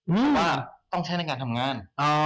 เพราะว่าต้องใช้ในการทำงาน